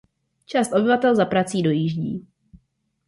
Část obyvatel za prací dojíždí.